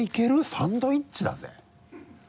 サンドイッチだぜ。